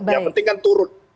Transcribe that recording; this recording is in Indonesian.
yang penting kan turun